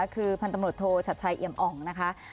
คือพันธมรถโทชัดใช้เอียมอ่องนะคะ